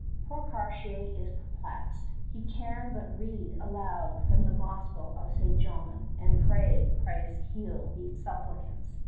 Poor Cartier is perplexed. He can but read aloud from the Gospel of St. John and pray Christ heal these supplicants.